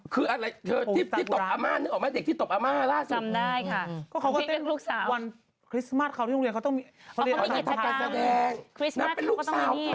คืออะไรตกอามาหนึ่งออกไหมเด็กที่ตกอามาล่ะ